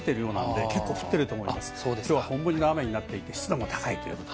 きょうは本降りの雨になっていて湿度も高いということ。